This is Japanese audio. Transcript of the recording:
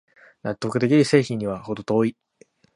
納得できる製品にはほど遠い